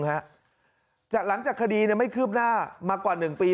หลังจากคดีไม่คืบหน้ามากว่า๑ปี